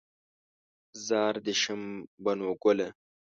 زار دې شم بنو ګله